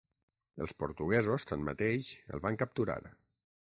Els portuguesos tanmateix el van capturar.